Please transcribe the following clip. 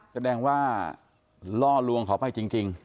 แสดงว่าล่อลวงเขาไปจริง